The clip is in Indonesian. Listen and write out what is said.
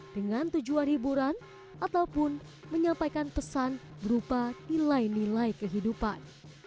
dengan tujuan hiburan ataupun menyampaikan pesan berupa nilai nilai kehidupan